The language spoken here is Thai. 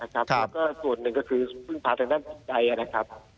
แล้วก็ส่วนหนึ่งก็คือพึ่งพาทางด้านจิตใจนะครับ